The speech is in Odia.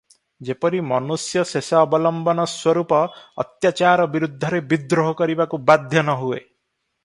ଯେପରି ମନୁଷ୍ୟ ଶେଷ ଅବଲମ୍ବନ ସ୍ୱରୂପ ଅତ୍ୟାଚାର ବିରୁଦ୍ଧରେ ବିଦ୍ରୋହ କରିବାକୁ ବାଧ୍ୟ ନ ହୁଏ ।